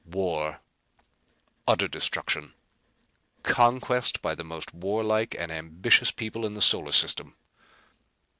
"War! Utter destruction! Conquest by the most warlike and ambitious people in the solar system."